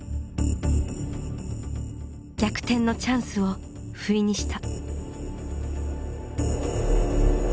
逆転のチャンスをふいにした。